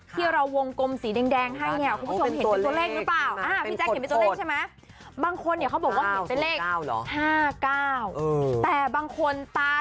ที่เราวงกมสีแดงให้คุณผู้ชมเห็นตัวเลขรึเปล่า